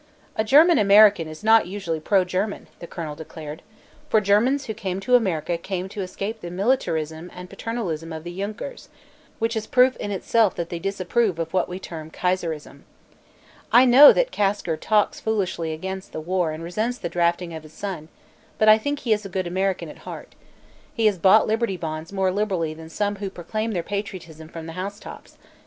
"A German American is not usually pro German," the colonel declared, "for Germans who come to America come to escape the militarism and paternalism of the Junkers, which is proof in itself that they disapprove of what we term kaiserism. I know that Kasker talks foolishly against the war and resents the drafting of his son, but I think he is a good American at heart. He has bought Liberty Bonds more liberally than some who proclaim their patriotism from the housetops.